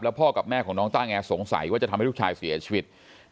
พ่อกับแม่ของน้องต้าแงสงสัยว่าจะทำให้ลูกชายเสียชีวิต